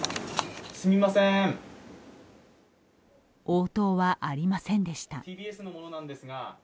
応答はありませんでした。